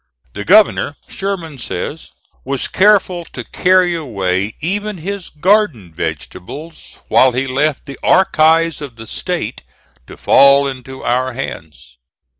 The governor, Sherman says, was careful to carry away even his garden vegetables, while he left the archives of the State to fall into our hands.